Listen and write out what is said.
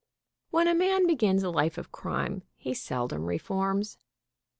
When a man begins a life of crime he seldom reforms.